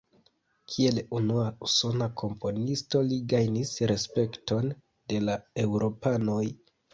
Kiel unua usona komponisto li gajnis respekton de la eŭropanoj.